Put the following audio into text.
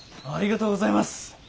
ありがとうございます。